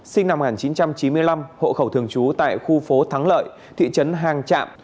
sinh năm một nghìn chín trăm chín mươi năm hộ khẩu thường trú tại khu phố thắng lợi thị trấn hàng trạm